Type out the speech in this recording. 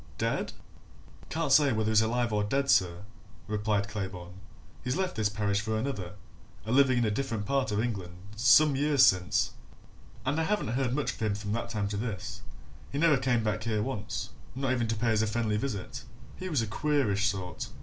Dead?" "Can't say whether he's dead or alive, sir," replied Claybourne. "He left this parish for another a living in a different part of England some years since, and I haven't heard much of him from that time to this he never came back here once, not even to pay us a friendly visit he was a queerish sort.